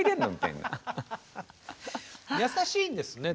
優しいんですね。